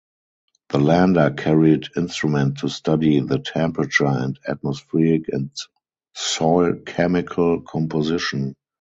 The lander carried instruments to study the temperature and atmospheric and soil chemical composition.